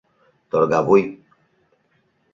«Торгавуй!»